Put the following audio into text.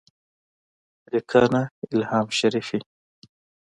-لیکنه: الهام شریفي